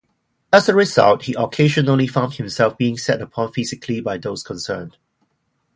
As a result, he occasionally found himself being set upon physically by those concerned.